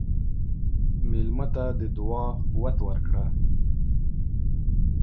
مېلمه ته د دعا قوت ورکړه.